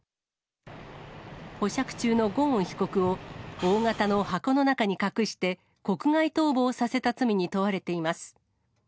保釈中のゴーン被告を、大型の箱の中に隠して、国外逃亡させた罪に問われています。